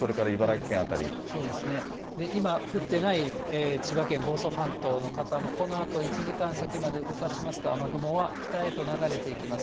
そうですね、今降ってない千葉県房総半島の方も、このあと１時間先まで動かしますと、雨雲は北へと流れていきます。